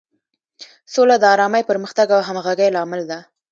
سوله د ارامۍ، پرمختګ او همغږۍ لامل ده.